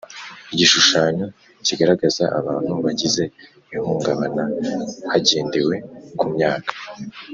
Igishushanyo kigaragaza abantu bagize ihungabana hagendewe ku myaka